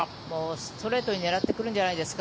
ストレートに狙ってくるんじゃないですか？